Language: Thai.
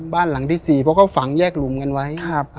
บ้านหลังที่๔เพราะเขาฝังแยกหลุมกันไว้